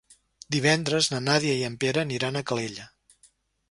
Divendres na Nàdia i en Pere aniran a Calella.